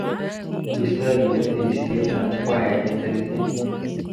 Mabistoi inendet tyenisietab kwaya eng' kaniset.